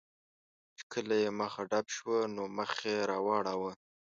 چې کله یې مخه ډب شوه، نو مخ یې را واړاوه.